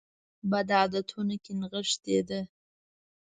بدعتونو کې نغښې ده.